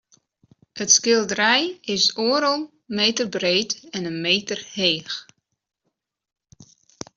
It skilderij is oardel meter breed en in meter heech.